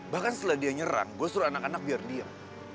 bahkan setelah dia nyerang gue suruh anak anak biar diam